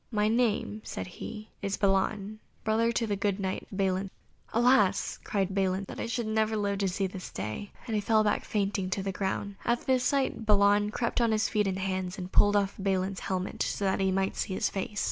"My name," said he, "is Balan, brother to the good Knight Balin." "Alas!" cried Balin, "that I should ever live to see this day," and he fell back fainting to the ground. At this sight Balan crept on his feet and hands, and pulled off Balin's helmet, so that he might see his face.